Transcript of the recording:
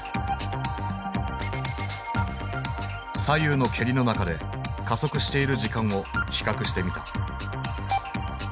左右の蹴りの中で加速している時間を比較してみた。